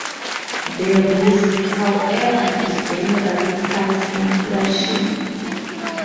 The risk, however, is general price inflation.